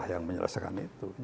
yang menyelesaikan itu